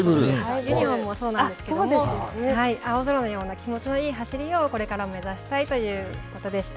ユニホームもそうなんですけど、青空のような気持ちのいい走りをこれから目指したいということでした。